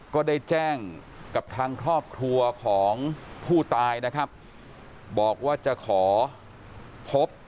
ก็ได้แจ้งกับทางครอบครัวของผู้ตายนะครับบอกว่าจะขอพบ